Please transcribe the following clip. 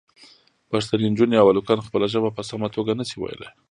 پښتنې نجونې او هلکان خپله ژبه په سمه توګه نه شي ویلی.